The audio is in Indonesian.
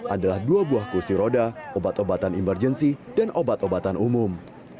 adalah dua buah kursi roda obat obatan emergensi dan obat obatan umum